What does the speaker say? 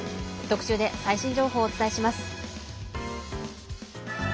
特集で最新情報をお伝えします。